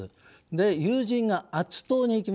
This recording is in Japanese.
で友人がアッツ島に行きました。